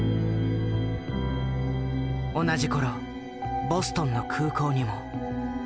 同じ頃ボストンの空港にも。